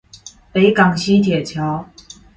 北港溪鐵橋